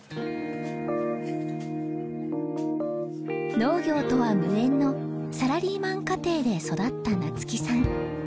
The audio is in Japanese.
農業とは無縁のサラリーマン家庭で育ったなつきさん。